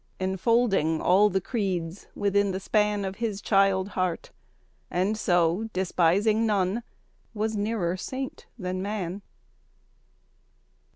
Enfolding all the creeds within the span Of his child heart; and so, despising none, Was nearer saint than man.